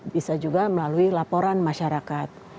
bisa juga melalui laporan masyarakat